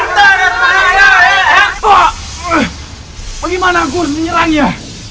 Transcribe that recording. bagaimana aku harus menyerangnya